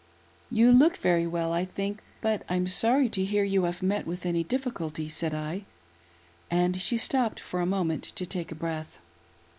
" You look very well I think, but 'I'm sorry to hear you have met with any difficulty," said I, when she stopped for a mo ment to take breath.